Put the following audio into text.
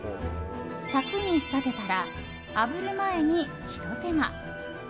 サクに仕立てたらあぶる前にひと手間。